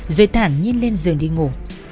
rồi thẳng nhìn lên giường đi ngủ